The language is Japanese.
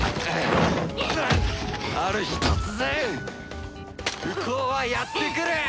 ある日突然不幸はやってくる！